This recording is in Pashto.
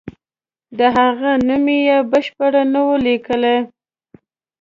د هغه نوم یې بشپړ نه وو لیکلی.